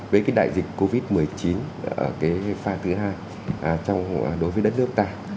với cái đại dịch covid một mươi chín ở cái pha thứ hai đối với đất nước ta